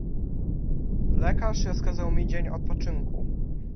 "Lekarz rozkazał mi dzień odpoczynku."